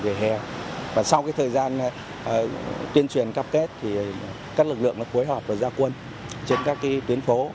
và sau thời gian tuyên truyền cam kết các lực lượng đã phối hợp với gia quân trên các tuyến phố